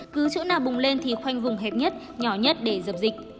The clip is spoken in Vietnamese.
cứ chỗ nào bùng lên thì khoanh vùng hẹp nhất nhỏ nhất để dập dịch